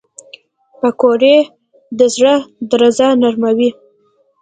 پکورې د زړه درزا نرموي